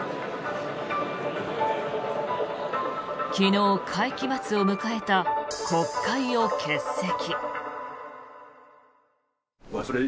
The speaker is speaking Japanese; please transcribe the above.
昨日、会期末を迎えた国会を欠席。